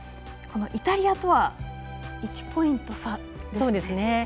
イタリアとは１ポイント差ですね。